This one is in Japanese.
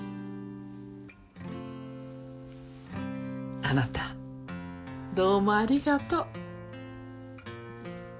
あなたどうもありがとう。